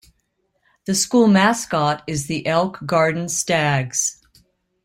The school mascot is the Elk Garden Stags.